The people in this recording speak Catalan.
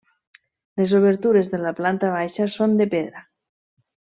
Les obertures de la planta baixa són de pedra.